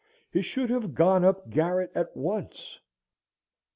He should have gone up garret at once.